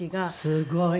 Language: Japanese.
すごい。